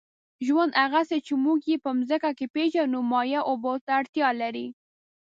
ژوند، هغسې چې موږ یې په مځکه کې پېژنو، مایع اوبو ته اړتیا لري.